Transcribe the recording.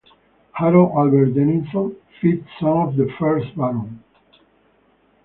Harold Albert Denison, fifth son of the first Baron.